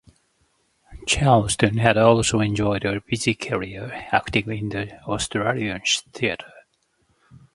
Charleston had also enjoyed a busy career acting in the Australian theatre.